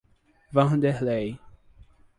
Wanderley